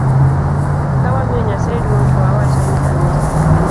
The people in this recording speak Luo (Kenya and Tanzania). Kawamiyo Nyasaye duong to wawacho ni amin.